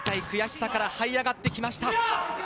悔しさからはい上がってきました。